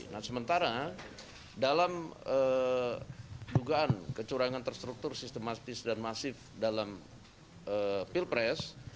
nah sementara dalam dugaan kecurangan terstruktur sistematis dan masif dalam pilpres